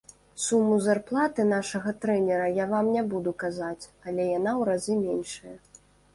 Суму зарплаты нашага трэнера я вам не буду казаць, але яна ў разы меншая.